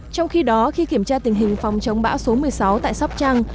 trong khi đó khi kiểm tra tình hình phòng chống bão số một mươi sáu tại sóc trăng